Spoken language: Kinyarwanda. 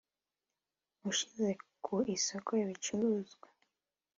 Ushyize ku isoko ibicuruzwa